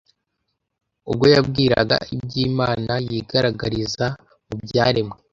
ubwo yababwiraga iby’Imana yigaragariza mu byaremwe